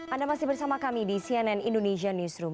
anda masih bersama kami di cnn indonesia newsroom